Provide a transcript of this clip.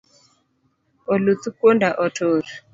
Oluth kuonda otur